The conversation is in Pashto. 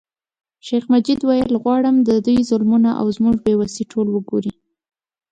شیخ مجید ویل غواړم د دوی ظلمونه او زموږ بې وسي ټول وګوري.